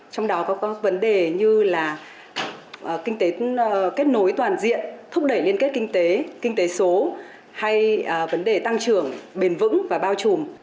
trong đó có vấn đề như là kết nối toàn diện thúc đẩy liên kết kinh tế kinh tế số hay vấn đề tăng trưởng bền vững và bao trùm